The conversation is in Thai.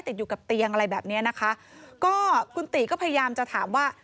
ติดอยู่กับเตียงอะไรแบบเนี้ยนะคะก็คุณติก็พยายามจะถามว่า